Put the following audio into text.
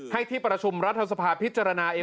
ที่ประชุมรัฐสภาพิจารณาเอง